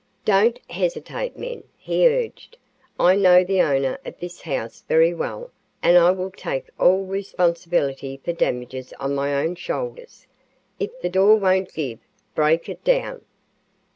"Don't hesitate, men," he urged. "I know the owner of this house very well and will take all responsibility for damages on my own shoulders. If the door won't give, break it down."